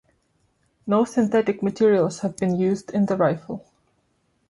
No synthetic materials have been used in the rifle.